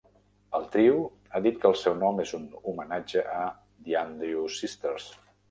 El trio ha dit que el seu nom és un homenatge a The Andrews Sisters.